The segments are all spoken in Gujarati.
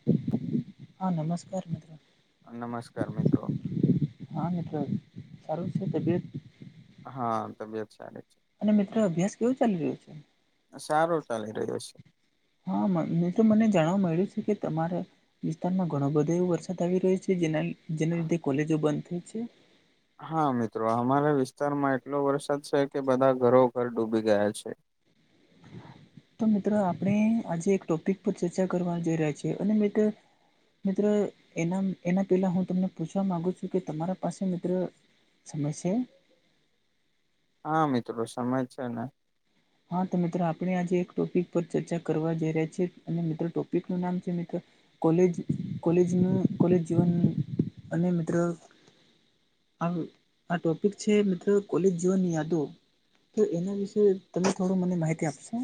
[inaudible] હા નમસ્કાર મિત્રો. નમસ્કાર મિત્રો. હા મિત્ર સારુ છે તબિયત હા તબિયત સારી છે. અને મિત્રો અભ્યાસ કેવો ચાલી રહ્યો છે. સારો ચાલી રહ્યો છે. હા મે તો મને જાણવા મળ્યું છે કે તમારે વિસ્તારમાં ઘણો બધો એવો વરસાદ આવી રહ્યો છે જેના જેના લીધે કોલેજો બંધ થઈ છે. હા મિત્રો અમારા વિસ્તારમાં એટલો વરસાદ છે કે બધા ઘરો ઘર ડૂબી ગયા છે. તો મિત્રો આપણે આજે એક ટોપિક પર ચર્ચા કરવા જોઈ રહ્યા છીએ અને મિત્ર મિત્ર એના એના પેલા હું તમને પૂછવા માગુ છું કે તમારા પાસે મિત્ર સમસ્યા હા મિત્રો સમય છે ને હા તો મિત્રો આપણે આજે એક ટોપિક પર ચર્ચા કરવા જઈ રહ્યા છીએ અને મિત્રો ટોપિક નું નામ છે મિત્ર કોલેજ કોલેજનું કોલેજ જીવન અને મિત્રો આ આ ટોપિક છે મિત્રો કોલેજ જીવન ની યાદો તો એના વિશે તમે થોડું મને માહિતી આપશો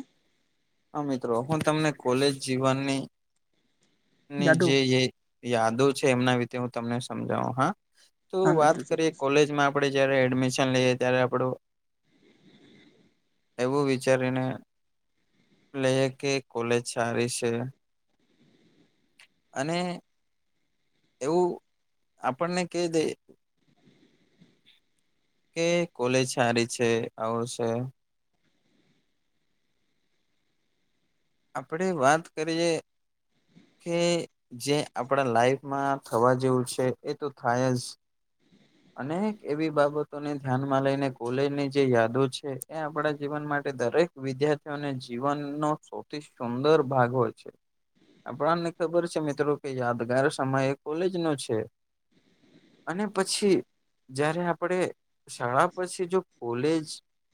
હા મિત્રો હું તમને કોલેજ જીવનની ની યાદો જે યાદો છે એમના વિશે હું તમને સમજાવું હા તો હા વાત મિત્રો કરીએ ચોક્કસ કોલેજમાં આપણે જયારે એડમિશન લઈએ ત્યારે આપણું એવું વિચારીને લઈ કે કોલેજ સારી છે. અને એવું આપણને કઈદે કે કોલેજ સારી છે આવી છે. આપડે વાત કરીએ કે જે આપણા લાઈફમાં થવા જેવું છે એ તો થાય જ અનેક એવી બાબતોને ધ્યાન માં લઈને કોલેજ ની જે યાદો છે એ આપણા જીવન માટે દરેક વિદ્યાર્થીઓને જીવનનો સૌથી સુંદર ભાગ હોય છે. આપણને ખબર છે મિત્રો કે યાદગાર સમય એ કોલેજ નો છે. અને પછી જયારે આપડે શાળા પછી જો કોલેજ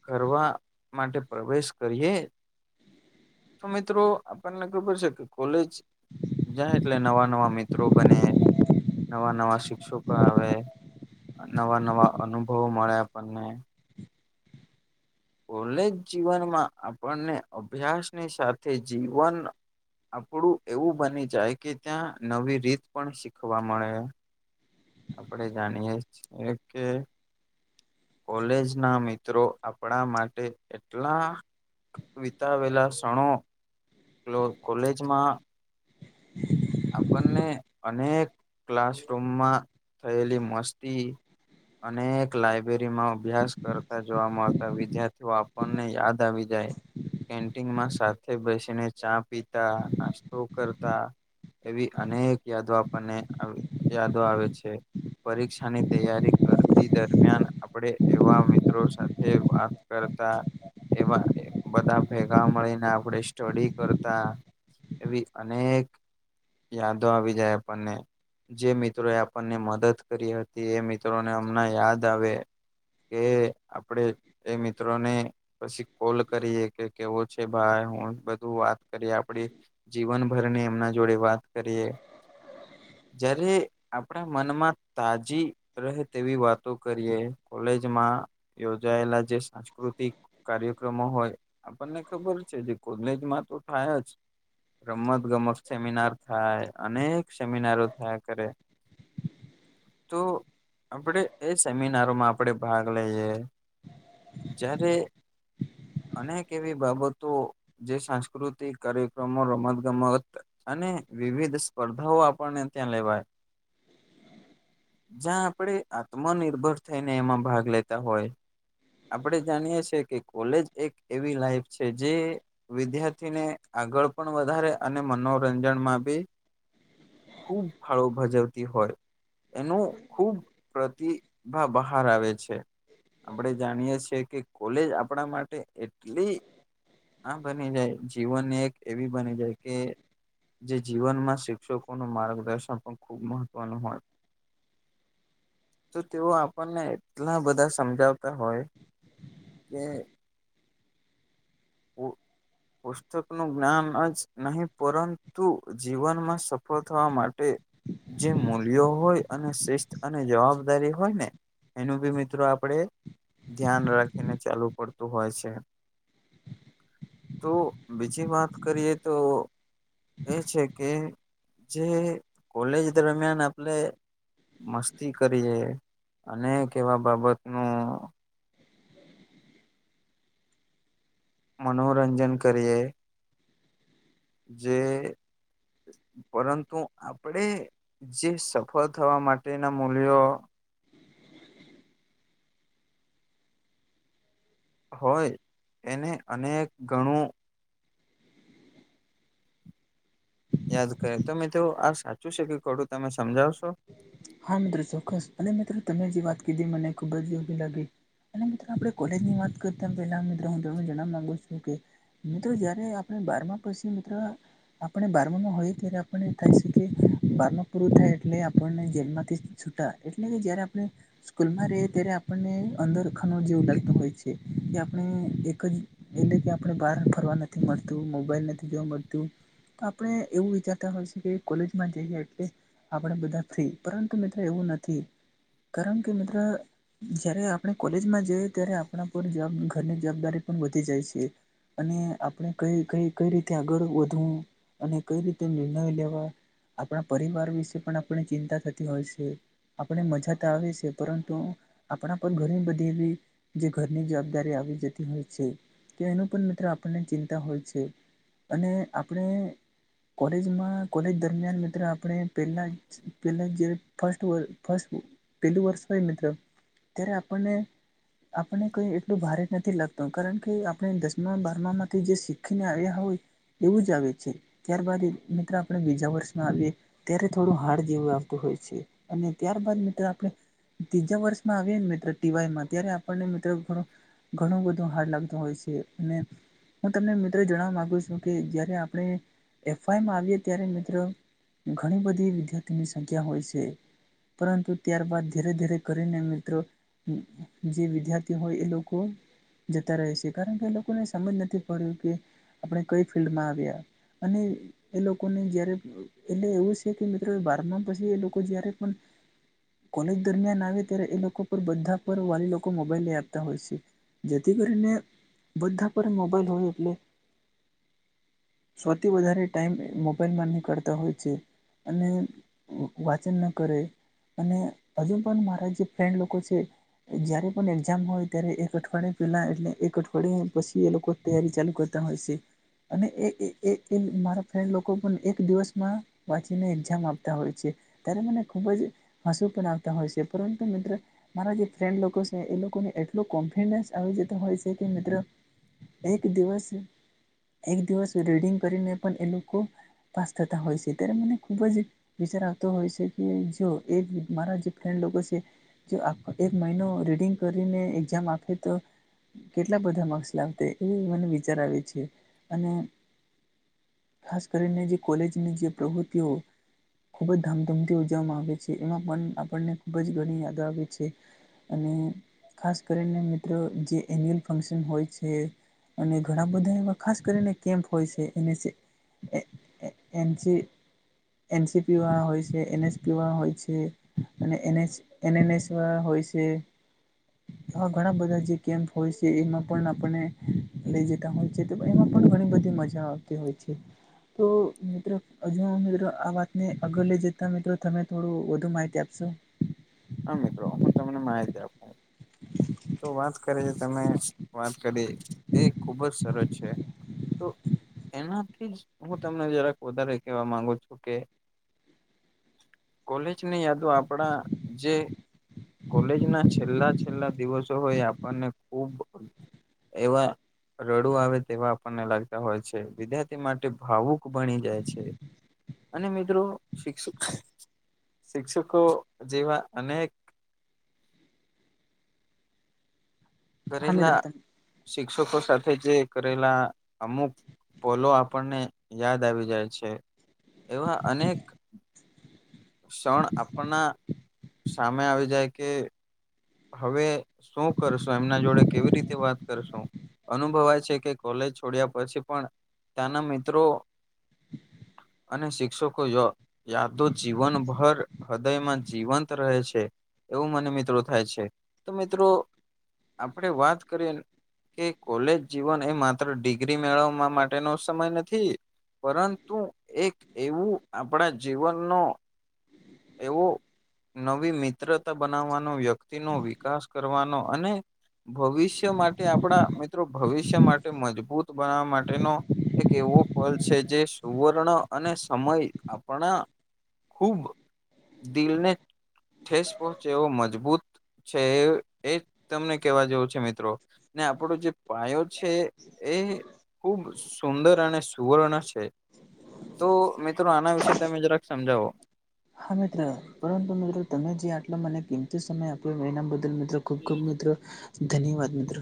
ફરવા માટે પ્રવેશ કરીએ તો મિત્રો આપણને ખબર છે કે કોલેજ જાય એટલે નવા નવા મિત્રો બને નવા નવા શિક્ષકો આવે નવા નવા અનુભવો મળ્યા આપણને કોલેજ જીવનમાં આપણને અભ્યાસની સાથે જીવન આપડું એવું બની જાય કે ત્યાં નવી રીત પણ શીખવા મળે આપણેે જાણીએ છીએ કે કોલેજ ના મિત્રો આપણા માટે એટલા વિતાવેલા ક્ષણો કોલેજમાં [inaudible] આપને અનેક ક્લાસરૂમમાં થયેલી મસ્તી અને એક લાયબ્રેરીમાં અભ્યાસ કરતા જોવા મળતા વિદ્યાર્થીઓ આપણને યાદ આવી જાય કેન્ટીનમાં સાથે બેસીને ચા પીતા નાસ્તો કરતા એવી અનેક યાદો આપણને યાદો આવે છે પરીક્ષાની તૈયારી કરતી દરમિયાન આપડે એવા મિત્રો સાથે વાત કર એવા બધા ભેગા મળીને આપણે સ્ટડી કરતા એવી અનેક યાદો આવી જાય આપણને જે મિત્રો એ આપણને મદદ કરી હતી એ મિત્રોને હમના યાદ આવે કે આપડે એ મિત્રો ને પછી કોલ કરીએ કે કેવો છે ભાઈ હું બધું વાત કરીએ આપડી જીવનભરની એમના જોડે વાત કરીએ. જ્યારે આપણા મનમાં તાજી રહે તેવી વાતો કરીએ કોલેજમાં. યોજાયેલા જે સાંસ્કૃતિક કાર્યક્રમો હોય. આપણને ખબર છે જે કોલેજ માં તો થાય જ. રમત ગમત સેમિનાર થાય અનેક સેમિનારો થયા કરે. તો આપણે એ સેમિનારોમાં આપણેે ભાગ લઈએ. જ્યારે અનેક એવી બાબતો જે સાંસ્કૃતિક કાર્યક્રમો, રમત ગમત. અને વિવિધ સ્પર્ધાઓ આપણને ત્યાં લેવાય. જ્યાં આપણેે આત્મનિર્ભર થઈને એમાં ભાગ લેતા હોય. આપડે જાનીએ છીએ કે કોલેજ એક એવી લાઈફ છે જે વિદ્યાર્થીને આગળ પણ વધારે અને મનો રંજનમાં બી ખૂબ ફાળો ભજવતી હોય. એનું ખૂબ પ્રતિભા બહાર આવે છે. આપણેે જાણીએ છીએ કે કોલેજ આપણા માટે એટલી આ બની જાય. જીવન એક એવી બની જાય કે જે જીવનમાં શિક્ષકોનું માર્ગદર્શન પણ ખૂબ મહત્વનું હોય. તો તેઓ આપણને એટલા બધા સમજાવતા હોય. કે પૂ પુસ્તકનું જ્ઞાન જ નહીં પરંતુ જીવનમાં સફળ થવા માટે જે મૂલ્યો હોય અને શિસ્ત અને જવાબદારી હોય ને. એનું બી મિત્રો આપણે ધ્યાન રાખીને ચાલુ પડતું હોય છે. તો બીજી વાત કરીએ તો એ છે કે જે કોલેજ દરમિયાન આપલે મસ્તી કરીએ, અનેક એવા બાબતનું મનોરંજન કરીએ જે પરંતુ આપણે જે સફળ થવા માટેના મૂલ્યો હોય એને અનેક ઘણું યાદ કરે તો મિત્રો આ સાચું છે કે ખોટું તમે સમજાવશો? હા મિત્ર ચોક્કસ. અને મિત્ર તમે જે વાત કીધી મને ખુબ જ યોગ્ય લાગી. અને મિત્ર આપણે કોલેજની વાત કરતા પેલા મિત્ર હું તમને જણવા માંગુ છું કે મિત્ર જયારે આપણે બારમાં પસી મિત્ર આપણે બારમા માં હોઈએ ત્યારે આપણે એવું થાય સે કે બારમું પૂરું થાય એટ એટલે આપણને જેલમાંથી છૂટા. એટલે કે જયારે આપણે સ્કૂલમાં રહીએ ત્યારે આપણને અંદર ખાનો જેવું લાગતું હોય છે. કે આપણે એક જ એટલે કે આપણે બહાર ફરવા નથી મળતું, મોબાઈલ નથી જોવા મળતું. તો આપણે એવું વિચારતા હોઈ સે કે કોલેજમાં જઈએ એટલે આપણે બધા ફ્રી. પરંતુ મિત્ર એવું નથી. કારણ કે મિત્ર જયારે આપણે કોલેજમાં જઈએ ત્યારે આપણા પર જવાબ ઘરની જવાબદારી પણ વધી જાય છે. અને આપણે કઈ કઈ કઈ રીતે આગળ વધવું. અને કઈ રીતે નિર્ણય લેવા. આપણા પરિવાર વિશે પણ આપણે ચિંતા થતી હોય છે. આપણે મજા તો આવે સે. પરંતુ આપણા પર ઘણી બધી એવી જે ઘરની જવાબદારી આવી જતી હોય છે. તે એનું પણ મિત્ર આપણને ચિંતા હોય છે. અને આપણે કોલેજમાં કોલેજ દરમિયાન મિત્ર આપણે પેલા જ પેલા જે ફર્સ્ટ વ ફર્સ્ટ પેલું વર્ષ હોય મિત્ર ત્યારે આપણને આપણને કઈ એટલું ભારે નથી લાગતું. કારણ કે આપણે દસમાં બારમા માંથી જે શીખીને આવ્યા હોય. એવું જ આવે છે. ત્યારબાદ એ મિત્ર આપણે બીજા વર્ષમાં આવીએ ત્યારે થોડું પહાડ જેવું આવતું હોય છે અને ત્યારબાદ મિત્ર આપણે ત્રીજા વર્ષમાં આવી ને મિત્ર, ટી વાયમાં ત્યારે આપણને મિત્ર ઘણો ઘણું બધું હાર્ડ લાગતું હોય છે અને હું તમને મિત્ર જણાવવા માગુ છું કે જ્યારે આપણે એફ વાઈમાં આવીએ ત્યારે મિત્ર ઘણી બધી વિદ્યાર્થીની સંખ્યા હોય છે. પરંતુ ત્યારબાદ ધીરે ધીરે કરીને મિત્રો હમ્મ, જે વિદ્યાર્થી હોય એ લોકો જતા રહે છે, કારણકે એ લોકોને સમજ નથી પડ્યું કે આપડે કઈ ફિલ્ડમાં આવ્યા અને એ લોકોને જયારે, એટલે એવું છે કે મી ત્ર બારમાં પછી એ લોકો જયારે પણ કોલેજ દરમિયાન આવે, ત્યારે એ લોકો પર બધા પર વાલી લોકો મોબાઈલ લઈ આપતા હોય છે. જેથી કરીને બધા પર મોબાઈલ હોય એટલે સૌથી વધારે ટાઈમ એ મોબાઈલમાં નીકળતા હોય છે. અને વ વાચન ન કરે. અને અજુ પણ મારા જે ફ્રેન્ડ લોકો છે જ્યારે પણ એક્ઝામ હોય ત્યારે એક અઠવાડિયે પહેલાં, એટલે એક અઠવાડિયે પછી એ લોકો તૈયારી ચાલુ કરતા હોય છે અને એ એ એ એ મારા ફ્રેડ લોકો પણ એક દિવસમાં તેને એક્ઝામ આપતા હોય છે, ત્યારે મને ખુબજ આંશુ પણ આવતા હોય છે, પરંતુ મિત્ર મારા જે ફેન્ડ લોકો છે, એ લોકોને એટલો કોન્ફિડન્સ આવી જતો હોય છે, કે મિત્ર એક દિવસ એક દિવસ રીડિંગ કરીને પણ એ લોકો પાસ થતા હોય છે, ત્યારે મને ખુબજ વિચાર આવતો હોય છે, કે જો એ મારા જે ફ્રેન્ડ લોકો છે જો આ અ એક મહિનો રીડિંગ કરીને એક્ઝામ આપે તો કેટલા બધા માર્ક્સ લાવતે, એ મને વિચાર આવે છે અને ખાસ કરીને જે કોલેજની જે પ્રવૃત્તિઓ ખુબજ ધામધૂમથી ઉજવવામાં આવે છે, એમાં પણ આપણને ખુબજ ઘણી યાદો આવે છે. અને ખાસ કરીને મિત્ર, જે એન્યુઅલ ફંક્શન હોય છે અને ઘણા બધા એવા, ખાસ કરીને કેમ્પ હોય છે એને [unintelligible] એ એ એમ સી એન સી પીવા હોય છે, એને સ પીવા હોય છે અને એ નેસ એને ને સમાં હોય છે. [unintelligible] ઘણા બધા જે કેમ્પ હોય છે, એમાં પણ આપણને લઈ જતા હોય છે. એમાં પણ ઘણી બધી મજા આવતી હોય છે, તો મિત્ર [unintelligible] તો આ વાતને આગળ લઈ જતા મિત્રો, તમે થોડું વધુ માહિતી આપશો? હા મિત્રો, હું તમને માહિતી આપું. તો વાત કરે જે તમે વાત કરી, એ ખુબજ સરસ છે. તો એનાથી જ હું તમને જરાક વધારે કેહેવા માંગુ છું કે કોલેજની યાદો આપડા જે કોલેજના છેલ્લા છેલ્લા દિવસો હોય, એ આપણને ખુબ એવા રડવું આવે તેવા આપણને લાગતા હોય છે. વિદ્યાર્થી માટે ભાવુક બની જાય છે. અને મિત્રો [unintelligible] શિક્ષકો જેવા અનેક હા મિત્ર કરેલા, તમે શિક્ષકો સાથે જે કરેલા અમુક પોલો આપણને યાદ આવી જાય છે, એવા અનેક શણ આપણા સામે આવી જાય કે હવે શું કરશું, એમના જોડે કેવી રીતે વાત કરશું? અનુભવાય છે કે કોલેજ છોડ્યા પછી પણ ત્યાંના મિત્રો અને શિક્ષકો જો યાદો જીવનભર હૃદયમાં જીવંત રહે છે, એવું મને મિત્રો થાય છે તો મિત્રો આપણે વાતકરીએ. કે કોલેજ જીવન એ માત્ર ડિગ્રી મેળવવા મા માટેનો સમય નથી. પરંતુ એક એવું આપણા જીવનનો એવું નવી મિત્રતા બનાવવાનો વ્યક્તિનો વિકાસ કરવાનો અને ભવિષ્ય માટે આપણા મિત્રો ભવિષ્ય માટે મજબૂત બનાવવા માટેનો એક એવું ફલ છે જે સુવર્ણ અને સમય આપણે ખૂબ દિલને ઠેસ પહોંચે એવો મજબૂત છે એ એજ તમને કેવા જેવું છે મિત્રો. ને આપણો જે પાયો છે એ ખુબ સુંદર અને સુવર્ણ છે તો મિત્રો આના વિશે તમે જરાક સમજાવો. હા મિત્ર પરંતુ મિત્રો તમે જે આટલો મને કિંમતી સમય આપ્યો એના બદલ મિત્રો ખૂબ ખૂબ મિત્રો ધન્યવાદ મિત્રો.